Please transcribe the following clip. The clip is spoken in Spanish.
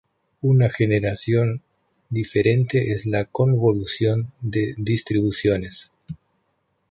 Una generalización diferente es la convolución de distribuciones.